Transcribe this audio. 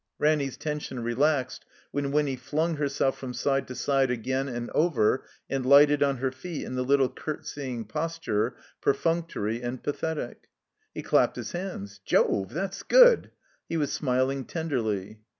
Ranny's tension relaxed when Winny flung herself from side to side again and over, and lighted on her feet in the little curtseying posting, perfimctory and pathetic. He clapped his hands. "'Jove! That's good!" He was smiling tenderly.